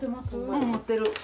うん持ってる。